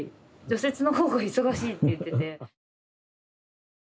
除雪の方が忙しいって言ってて。